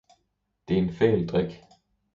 det er en fæl drik!